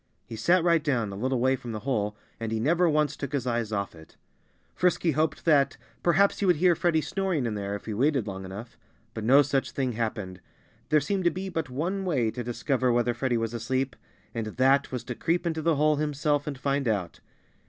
He sat right down, a little way from the hole, and he never once took his eyes off it. Frisky hoped that perhaps he would hear Freddie snoring in there, if he waited long enough. But no such thing happened. There seemed to be but one way to discover whether Freddie was asleep, and that was to creep into the hole himself and find out.